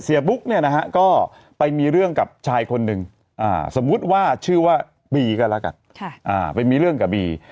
บุ๊กเนี่ยนะฮะก็ไปมีเรื่องกับชายคนหนึ่งสมมุติว่าชื่อว่าบีก็แล้วกันไปมีเรื่องกับบี